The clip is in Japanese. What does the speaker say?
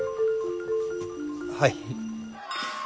はい。